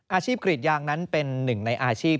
อาชีพกรีดยางนั้นเป็นหนึ่งในอาชีพ